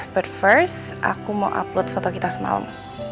but first aku mau upload foto kita semalam